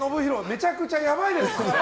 めちゃくちゃやばいです！